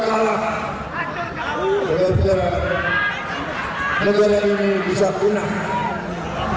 kalau kita kalah negara ini bisa punah